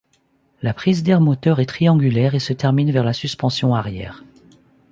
La prise d'air moteur est triangulaire et se termine vers la suspension arrière.